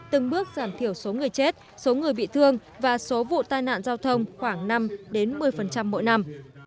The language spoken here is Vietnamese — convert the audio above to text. từng bước giảm thiểu số người chết số người bị thương và số vụ tai nạn giao thông khoảng năm một mươi mỗi năm